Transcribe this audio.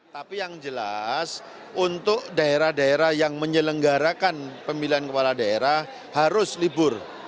tapi yang jelas untuk daerah daerah yang menyelenggarakan pemilihan kepala daerah harus libur